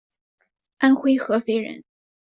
安徽合肥人。